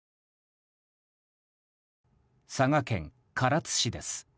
佐賀県唐津市です。